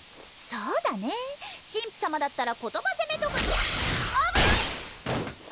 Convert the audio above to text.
そうだね神父様だったら言葉責めとか危ない！